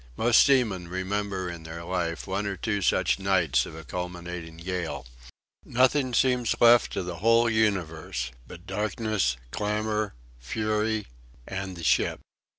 Most seamen remember in their life one or two such nights of a culminating gale. Nothing seems left of the whole universe but darkness, clamour, fury and the ship.